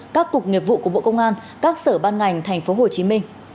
các cục nghiệp vụ của bộ công an các sở ban ngành tp hcm